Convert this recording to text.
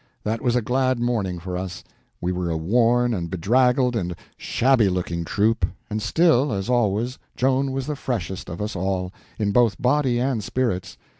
That was a glad morning for us. We were a worn and bedraggled and shabby looking troop; and still, as always, Joan was the freshest of us all, in both body and spirits.